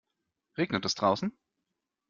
Regnet es draußen?